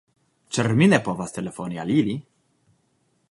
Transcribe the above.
Ĉar mi ne povas telefoni al ili.